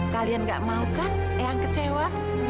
kalian gak mau kan yang kecewa